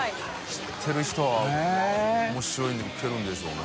知ってる人は面白いウケるんでしょうね。